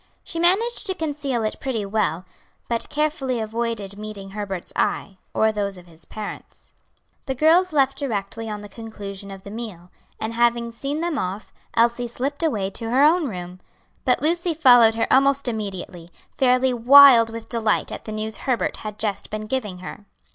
She managed to conceal it pretty well, but carefully avoided meeting Herbert's eye, or those of his parents. The girls left directly on the conclusion of the meal, and having seen them off, Elsie slipped away to her own room. But Lucy followed her almost immediately, fairly wild with delight at the news Herbert had just been giving her.